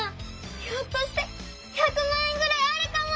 ひょっとして１００まん円ぐらいあるかも！